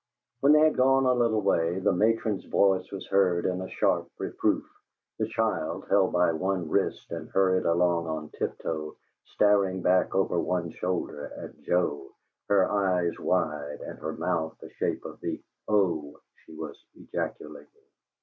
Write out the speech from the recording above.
When they had gone a little way the matron's voice was heard in sharp reproof; the child, held by one wrist and hurried along on tiptoe, staring back over one shoulder at Joe, her eyes wide, and her mouth the shape of the "O" she was ejaculating.